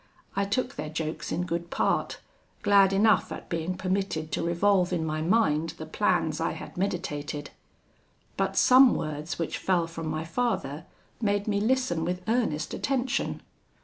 I took their jokes in good part, glad enough at being permitted to revolve in my mind the plans I had meditated; but some words which fell from my father made me listen with earnest attention.